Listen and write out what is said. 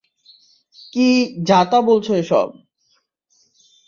কী যা-তা বলছ এসব?